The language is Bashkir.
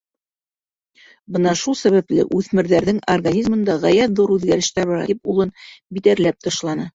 Бына шул сәбәпле үҫмерҙәрҙең организмында ғәйәт ҙур үҙгәрештәр бара. — тип улын битәрләп ташланы.